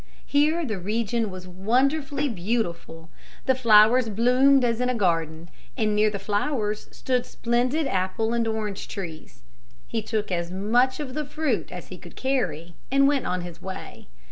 Here the region was wonderfully beautiful. The flowers bloomed as in a garden, and near the flowers stood splendid apple and orange trees. He took as much of the fruit as he could carry and went on his way.